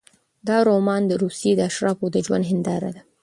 دا رومان د روسیې د اشرافو د ژوند هینداره ده.